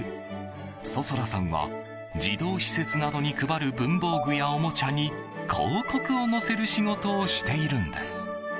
想空さんは児童施設などに配る文房具やおもちゃに広告を載せる仕事をしているんです。